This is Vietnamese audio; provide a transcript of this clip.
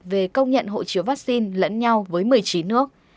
về công nhận hộ chiếu vaccine lẫn nhau với một mươi chín nước